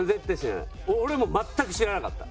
俺も全く知らなかった。